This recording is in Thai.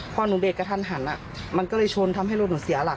พอหนูเบรกกระทันหันมันก็เลยชนทำให้รถหนูเสียหลัก